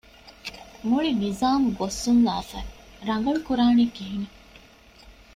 މުޅި ނިޒާމު ބޮއްސުންލާފައި، ރަނގަޅުކުރާނީ ކިހިނެއް؟